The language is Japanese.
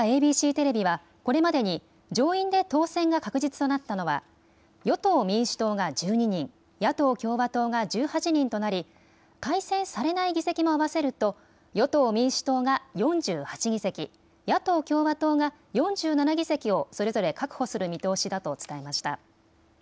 ＡＢＣテレビは、これまでに上院で当選が確実となったのは、与党・民主党が１２人、野党・共和党が１８人となり、改選されない議席も合わせると、与党・民主党が４８議席、野党・共和党が４７議席をそれぞれ確保する見通しだと伝えました。